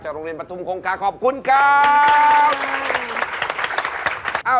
โรงเรียนประทุมคงคาขอบคุณครับ